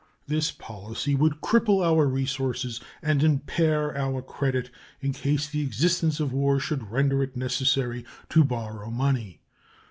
This policy would cripple our resources and impair our credit in case the existence of war should render it necessary to borrow money.